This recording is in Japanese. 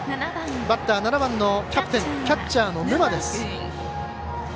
バッター７番のキャプテンキャッチャーの沼です。